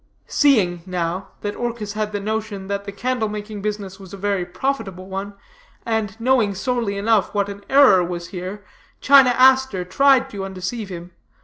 Seeing, now, that Orchis had the notion that the candle making business was a very profitable one, and knowing sorely enough what an error was here, China Aster tried to undeceive him.